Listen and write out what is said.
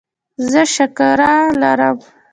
زه شکره لرم.